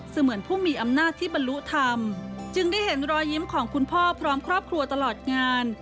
เหมือนผู้มีอำนาจที่บรรลุธรรมจึงได้เห็นรอยยิ้มของคุณพ่อพร้อมครอบครัวตลอดงาน